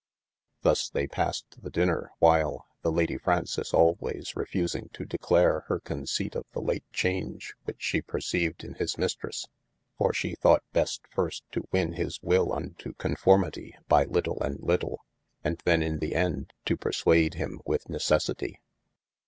Thus they passed the dinner while, the Lady Fraunces alwayes refusing to declare hir conceipt of the late chaung which she perceived in his Mistresse, for she thought best first to wynne his wyll unto conformitie, by little and little, and then in the ende to per swade him with necessitye.